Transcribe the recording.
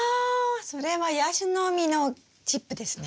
それはヤシの実のチップですね。